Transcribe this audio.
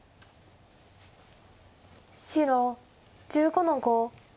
白１５の五。